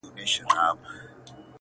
یو پر تا مین یم له هر یار سره مي نه لګي-